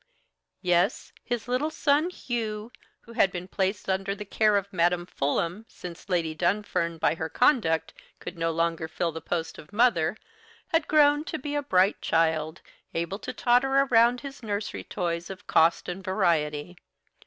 Yes, his little son Hugh, who had been placed under the care of Madam Fulham, since Lady Dunfern, by her conduct, could no longer fill the post of mother, had grown to be a bright child, able to totter around his nursery toys of cost and variety.